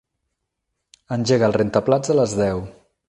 Engega el rentaplats a les deu.